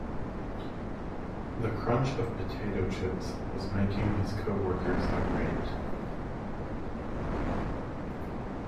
The crunch of potato-chips was making his co-workers irate.